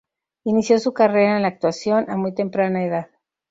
Inició su carrera en la actuación a muy temprana edad.